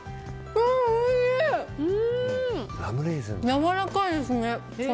やわらかいですね